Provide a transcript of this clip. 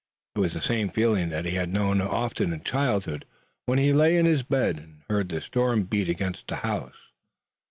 It was the same feeling that he had known often in childhood, when he lay in his bed and heard the storm beat against the house.